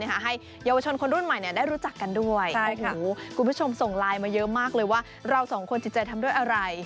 ให้เยาวชนคนรุ่นใหม่ได้รู้จักกันด้วยโอ้โหคุณผู้ชมส่งไลน์มาเยอะมากเลยว่าเราสองคนจิตใจทำด้วยอะไร